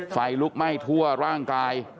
ไฟลุกไหม้ทั่วร่างกาย